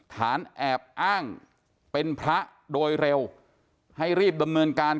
ฐานแอบอ้างเป็นพระโดยเร็วให้รีบดำเนินการ